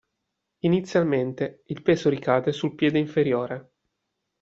Inizialmente il peso ricade sul piede inferiore.